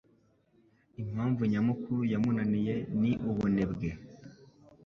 Impamvu nyamukuru yamunaniye ni ubunebwe.